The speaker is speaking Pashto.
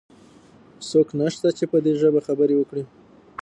څوک نشته چې په دي ژبه خبرې وکړي؟